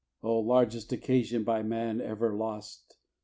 Oh largest occasion, by man ever lost!